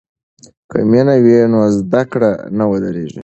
که مینه وي نو زده کړه نه ودریږي.